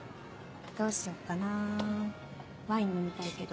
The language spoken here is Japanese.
どうしよっかなワイン飲みたいけど。